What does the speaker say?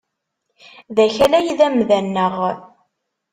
D Akal ay d amda-nneɣ.